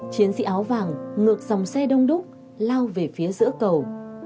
chiến sĩ áo vàng ngược dòng xe đông đúc lao về phía giữa cầu